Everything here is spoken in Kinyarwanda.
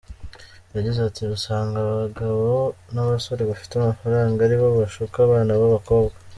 Yagize ati “Usanga abagabo n’abasore bafite amafaranga ari bo bashuka abana b’abakobwa.